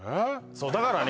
そうだからね